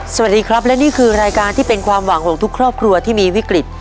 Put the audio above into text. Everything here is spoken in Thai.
สวัสดีครับและนี่คือรายการที่เป็นความหวังของทุกครอบครัวที่มีวิกฤต